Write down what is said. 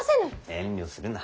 遠慮するな。